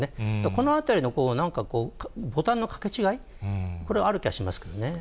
このあたりのなんか、ボタンのかけ違い、これはある気がしますけどね。